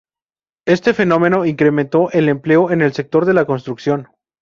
Este fenómeno incrementó el empleo en el sector de la construcción.